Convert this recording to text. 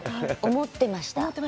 思っていました。